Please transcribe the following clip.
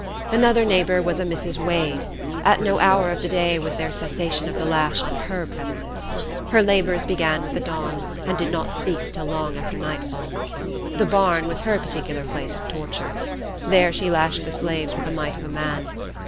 Another neighbor was a Mrs. Wade. At no hour of the day was there cessation of the lash on her premises. Her labors began with the dawn, and did not cease till long after nightfall. The barn was her particular place of torture. There she lashed the slaves with the might of a man.